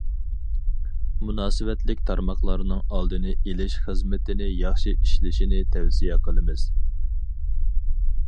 مۇناسىۋەتلىك تارماقلارنىڭ ئالدىنى ئېلىش خىزمىتىنى ياخشى ئىشلىشىنى تەۋسىيە قىلىمىز.